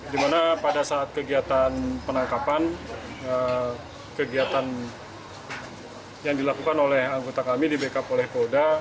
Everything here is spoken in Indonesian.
di mana pada saat kegiatan penangkapan kegiatan yang dilakukan oleh anggota kami di backup oleh polda